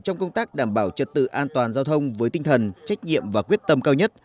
trong công tác đảm bảo trật tự an toàn giao thông với tinh thần trách nhiệm và quyết tâm cao nhất